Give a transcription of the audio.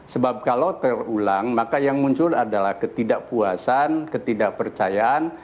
sebab kalau terulang maka yang muncul adalah ketidakpuasan ketidakpercayaan